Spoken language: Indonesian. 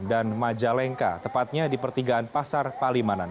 dan majalengka tepatnya di pertigaan pasar palimanan